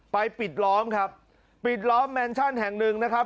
ปิดล้อมครับปิดล้อมแมนชั่นแห่งหนึ่งนะครับ